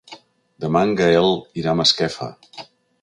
Demà en Gaël irà a Masquefa.